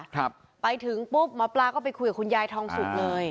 ครับไปถึงปุ๊บหมอปลาก็ไปคุยกับคุณยายทองสุกเลย